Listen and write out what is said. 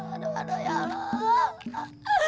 aduh aduh ya allah